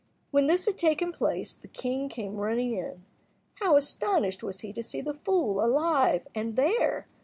When this had taken place the king came running in. How astonished was he to see the fool alive, and there!